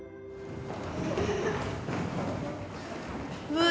うわ！